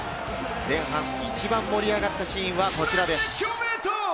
前半、一番盛り上がったシーンはこちらです。